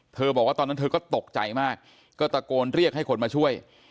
บอกว่าตอนนั้นเธอก็ตกใจมากก็ตะโกนเรียกให้คนมาช่วย